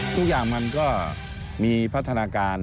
ทุกอย่างมันก็มีพัฒนาการ